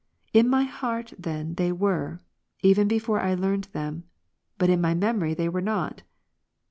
In my heart then they were, even before I learned them, but in my memory they were not.